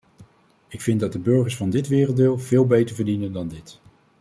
Ik vind dat de burgers van dit werelddeel veel beter verdienen dan dit.